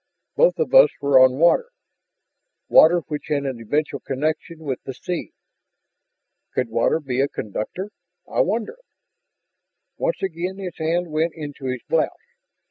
Both of us were on water water which had an eventual connection with the sea. Could water be a conductor? I wonder...." Once again his hand went into his blouse.